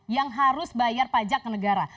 yang harus bayar pajak ke negara